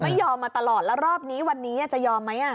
ไม่ยอมมาตลอดแล้วรอบนี้วันนี้จะยอมไหม